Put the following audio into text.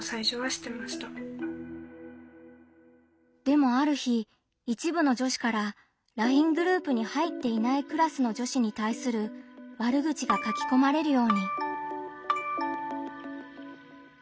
でもある日一部の女子からＬＩＮＥグループに入っていないクラスの女子に対する悪口が書きこまれるように。